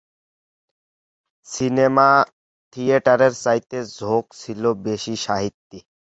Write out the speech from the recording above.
সিনেমা-থিয়েটারের চাইতে ঝোঁক ছিল বেশি সাহিত্যে।